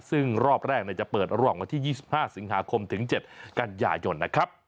ซึ่งรอบแรกจะเปิดระหว่างวันที่๒๕สิงหาคมถึง๗กันยายนนะครับ